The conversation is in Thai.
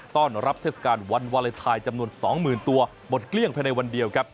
ต้อนรับเทศกาลวันวาเลนไทยจำนวน๒๐๐๐ตัวหมดเกลี้ยงภายในวันเดียวครับ